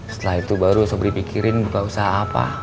setelah itu baru sebri pikirin buka usaha apa